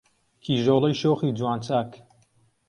کیژۆڵەی شۆخی جوان چاک